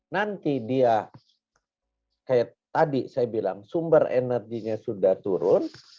nanti dia kayak tadi saya bilang sumber energinya sudah turun